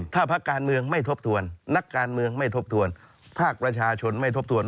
ถ้าภาคการเมืองไม่ทบทวนนักการเมืองไม่ทบทวนภาคประชาชนไม่ทบทวน